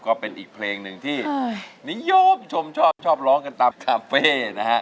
ก็เป็นอีกเพลงหนึ่งที่นิยมชมชอบชอบร้องกันตามคาเฟ่นะฮะ